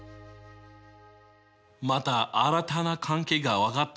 また新たな関係が分かったね。